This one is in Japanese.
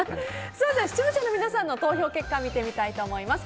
では視聴者の皆さんの投票結果を見てみたいと思います。